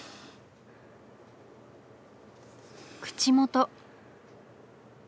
口元。